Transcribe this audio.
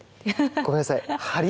ごめんなさい、張り？